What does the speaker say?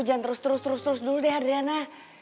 jangan terus terus terus dulu deh adriana